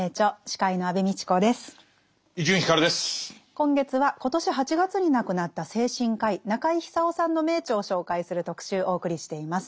今月は今年８月に亡くなった精神科医中井久夫さんの名著を紹介する特集お送りしています。